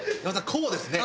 こうですね。